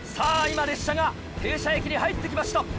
今列車が停車駅に入って来ました。